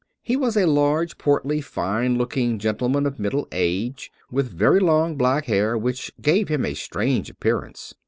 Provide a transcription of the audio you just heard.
He was a large, portly, fine looking gentleman of middle age, with very long black hair which gave him a strange appearance.